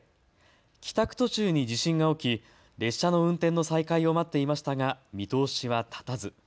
帰宅途中に地震が起き、列車の運転の再開を待っていましたが見通しは立たず。